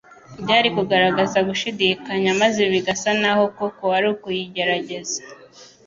Byari kugaragaza gushidikanya, maze bigasa n'aho koko, ari ukuyigerageza